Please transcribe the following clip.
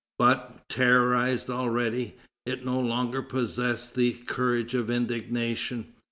But, terrorized already, it no longer possessed the courage of indignation.